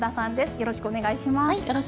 よろしくお願いします。